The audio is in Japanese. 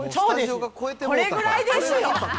これぐらいですよ。